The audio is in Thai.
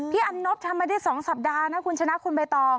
อันนบทำมาได้๒สัปดาห์นะคุณชนะคุณใบตอง